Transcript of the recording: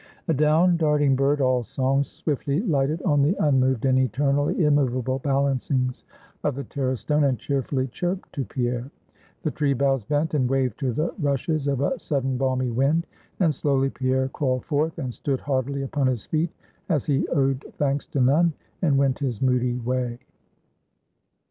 A down darting bird, all song, swiftly lighted on the unmoved and eternally immovable balancings of the Terror Stone, and cheerfully chirped to Pierre. The tree boughs bent and waved to the rushes of a sudden, balmy wind; and slowly Pierre crawled forth, and stood haughtily upon his feet, as he owed thanks to none, and went his moody way.